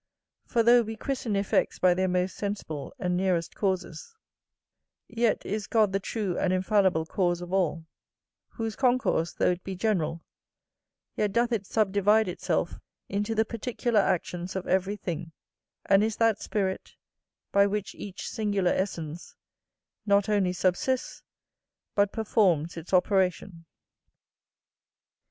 For though we christen effects by their most sensible and nearest causes, yet is God the true and infallible cause of all; whose concourse, though it be general, yet doth it subdivide itself into the particular actions of every thing, and is that spirit, by which each singular essence not only subsists, but performs its operation.